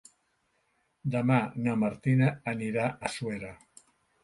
Demà na Martina anirà a Suera.